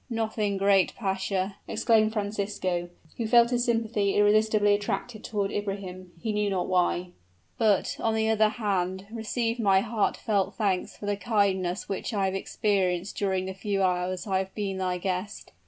"Nothing, great pasha!" exclaimed Francisco, who felt his sympathy irresistibly attracted toward Ibrahim, he knew not why, "but, on the other hand, receive my heartfelt thanks for the kindness which I have experienced during the few hours I have been thy guest."